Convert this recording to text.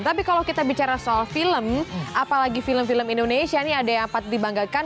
tapi kalau kita bicara soal film apalagi film film indonesia nih ada yang patut dibanggakan